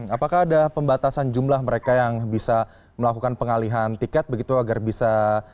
apakah ada pembatasan jumlah mereka yang bisa melakukan pengalihan tiket begitu agar bisa